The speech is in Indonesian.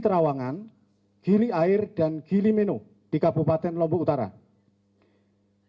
terawangan gili air dan gili menu di kabupaten lombok utara masih ada tujuh ratus wisatawan baik